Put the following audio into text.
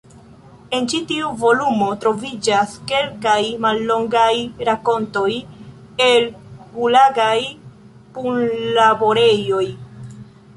En ĉi tiu volumo troviĝas kelkaj mallongaj rakontoj el Gulagaj punlaborejoj.